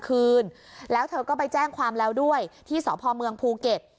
คืนแล้วเธอก็ไปแจ้งความแล้วด้วยที่สพเมืองภูเก็ต